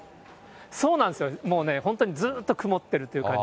そうなんですよ、本当にずっと曇ってるという感じ。